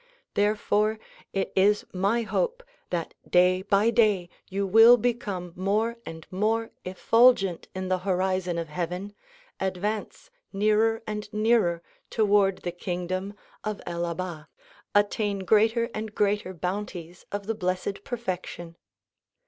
Therefore it is my hope that day by day you will become more and more effulgent in the horizon of heaven, advance nearer and nearer toward the kingdom of El Abha, attain greater and greater bounties of the Blessed Perfection.